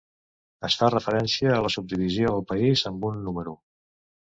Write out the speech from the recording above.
Es fa referència a la subdivisió del país amb un número.